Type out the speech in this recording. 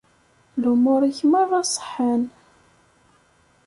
Lumuṛ-ik merra ṣeḥḥan.